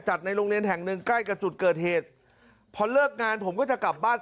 ในโรงเรียนแห่งหนึ่งใกล้กับจุดเกิดเหตุพอเลิกงานผมก็จะกลับบ้าน